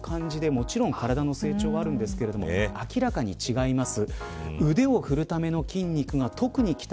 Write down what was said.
こういう感じでもちろん、体の成長あるんですが明らかに違います。